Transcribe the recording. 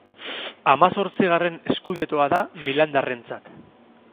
Hamazortzigarren scudettoa da milandarrentzat.